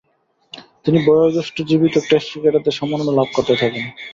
তিনি বয়োজ্যেষ্ঠ জীবিত টেস্ট ক্রিকেটারের সম্মাননা লাভ করতে থাকেন।